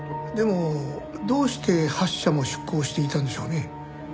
でもどうして８社も出向していたんでしょうね？